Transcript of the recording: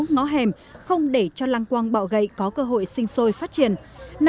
ngó hềm không để cho lăng quang bạo gậy có cơ hội sinh sôi phát triển